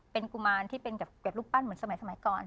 เป็นกุมารที่เป็นรูปปั้นเหมือนสมัยก่อน